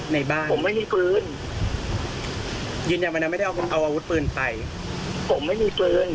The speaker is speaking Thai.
ในบ้านผมไม่มีปืนยืนยันวันนั้นไม่ได้เอาเอาอาวุธปืนไปผมไม่มีปืน